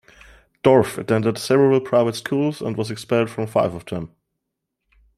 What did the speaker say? Dorff attended several private schools, and was expelled from five of them.